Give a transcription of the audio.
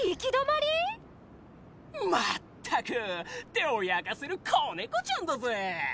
まったく手をやかせるこねこちゃんだぜ！